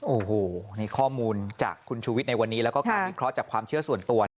โอ้โหนี่ข้อมูลจากคุณชูวิทย์ในวันนี้แล้วก็การวิเคราะห์จากความเชื่อส่วนตัวนะ